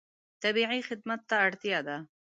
طبیعي خدمت ته اړتیا ده.